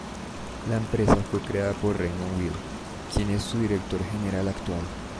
La empresa fue creada por Raymond Weil, quien es su director general actual.